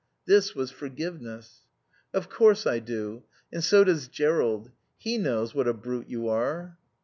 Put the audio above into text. This was forgiveness. "Of course I do. And so does Jerrold. He knows what a brute you are."